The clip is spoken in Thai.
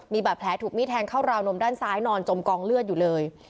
มีบาดแผลถูกมีดแทงเข้าราวนมด้านซ้ายนอนจมกองเลือดอยู่เลย